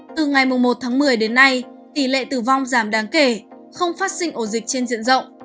từ ngày một tháng một mươi đến nay tỷ lệ tử vong giảm đáng kể không phát sinh ổ dịch trên diện rộng